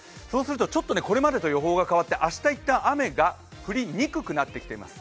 ちょっとこれまでと予報が変わって、明日、一旦雨が降りにくくなってきているんです。